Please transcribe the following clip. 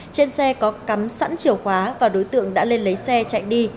trên xe có cắm sẵn chìa khóa và đối tượng đã lên lấy xe chạy đi